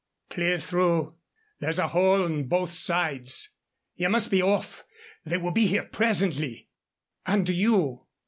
"Clear through. There's a hole on both sides. Ye must be off. They will be here presently." "And you?"